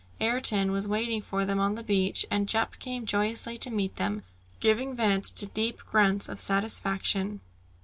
Ayrton was waiting for them on the beach, and Jup came joyously to meet them, giving vent to deep grunts of satisfaction.